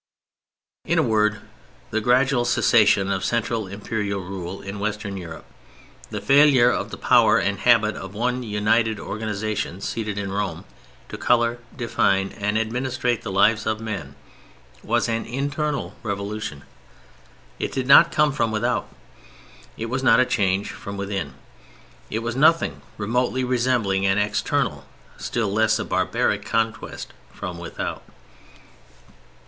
In a word, the gradual cessation of central Imperial rule in Western Europe, the failure of the power and habit of one united organization seated in Rome to color, define and administrate the lives of men, was an internal revolution; it did not come from without. It was a change from within; it was nothing remotely resembling an external, still less a barbaric, conquest from without.